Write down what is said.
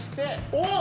おっ！